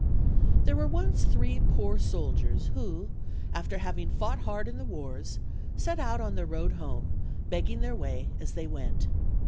THERE were once three poor soldiers, who, after hav ing fought hard in the wars, set out on their road home, begging their way as they went.